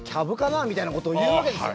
みたいなことを言うわけですよ。